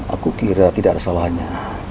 aku kira tidak ada salahnya